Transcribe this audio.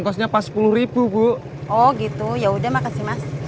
tembak lu bela artificial